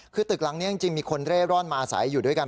คือตึกหลังนี้จริงมีคนเร่ร่อนมาอาศัยอยู่ด้วยกัน